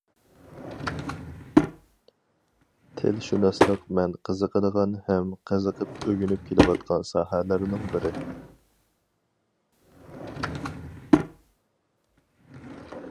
تىلشۇناسلىق مەن قىزىقىدىغان ھەم قىزىقىپ ئۆگىنىپ كېلىۋاتقان ساھەلەرنىڭ بىرى.